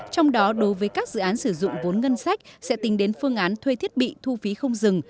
trong đó đối với các dự án sử dụng vốn ngân sách sẽ tính đến phương án thuê thiết bị thu phí không dừng